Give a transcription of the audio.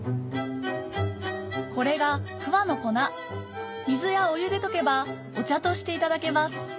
これが桑の粉水やお湯で溶けばお茶としていただけます